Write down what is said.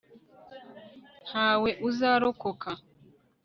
ntawe uzarokoka